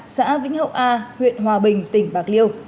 xã vĩnh hậu a huyện hòa bình tỉnh bạc liêu